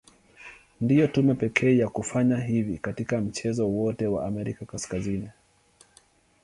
Ndio timu pekee ya kufanya hivi katika mchezo wowote wa Amerika Kaskazini.